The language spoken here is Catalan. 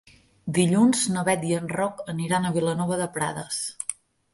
Dilluns na Bet i en Roc aniran a Vilanova de Prades.